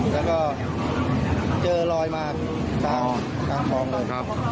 แล้วก็เจอรอยมาจากครองเลย